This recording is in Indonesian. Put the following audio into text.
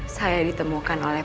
saya ditemukan oleh